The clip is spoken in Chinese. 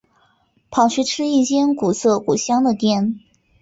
跑去吃一间古色古香的店